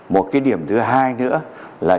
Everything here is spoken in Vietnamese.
một cái điểm thứ hai nữa là